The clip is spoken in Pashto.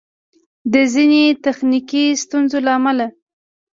د ځیني تخنیکي ستونزو له امله